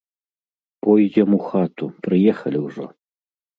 Пойдзем у хату, прыехалі ўжо.